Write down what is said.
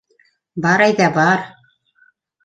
Бар әйҙә, бар!